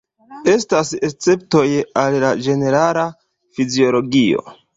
Estas esceptoj al la ĝenerala fiziologio.